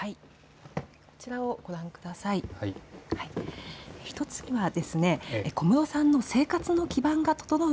こちらをご覧ください。